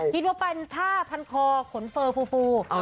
คิดว่าเป็นผ้าพันคอขนเฟอร์ฟู